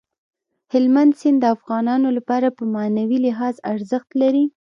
هلمند سیند د افغانانو لپاره په معنوي لحاظ ارزښت لري.